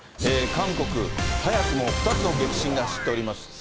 韓国、早くも２つの激震が走っています。